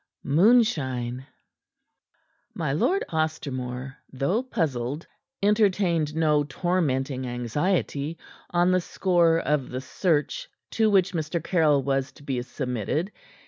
MOONSHINE My Lord Ostermore, though puzzled, entertained no tormenting anxiety on the score of the search to which Mr. Caryll was to be submitted.